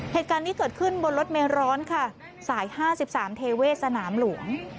เหตุการณ์นี้เกิดขึ้นบนรถเมร้อนค่ะสาย๕๓เทเวศสนามหลวง